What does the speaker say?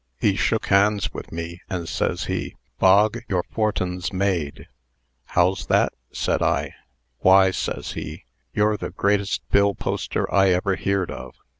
He shook hands with me, and ses he, 'Bog, your fortun's made.' 'How's that?' said I. 'Why, ses he, 'you're the greatest bill poster I ever heerd of.